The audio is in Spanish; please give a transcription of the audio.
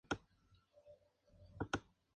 Sus restos descansan en el "Cementerio de La Plata".